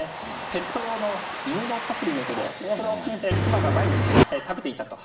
ペット用の犬のサプリメントでそれを妻が毎日食べていたと。